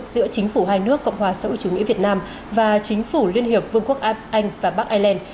giữa chính phủ hai nước cộng hòa xã hội chủ nghĩa việt nam và chính phủ liên hiệp vương quốc anh và bắc ireland